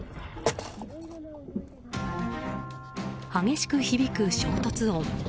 激しく響く衝突音。